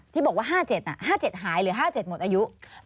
ที่บอกว่า๕๗๕๗หายหรือ๕๗หมดอายุ